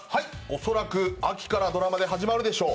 恐らく秋からドラマで始まるでしょう。